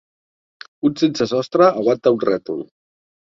Un sensesostre aguanta un rètol.